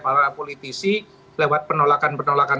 para politisi lewat penolakan penolakan